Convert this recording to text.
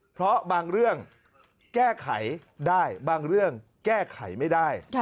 เพราะบางเรื่องแก้ไขได้บางเรื่องแก้ไขไม่ได้